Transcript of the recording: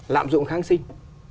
lạm dụng kháng sinh